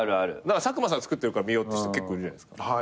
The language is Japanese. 佐久間さんが作ってるから見ようって人結構いるじゃないですか。